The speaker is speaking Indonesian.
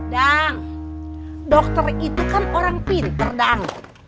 dang dokter itu kan orang pinter dang